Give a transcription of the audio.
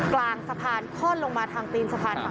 กลางสะพานคล่อนลงมาทางตีนสะพานค่ะ